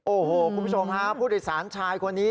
โอ้โหคุณผู้ชมฮะผู้โดยสารชายคนนี้